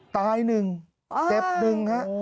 ตายหนึ่งเจ็บหนึ่งฮะ